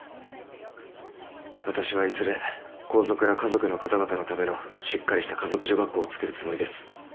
私はいずれ皇族や華族の方々のためのしっかりした華族女学校を作るつもりです。